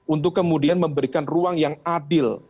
untuk kemudian memberikan ruang yang adil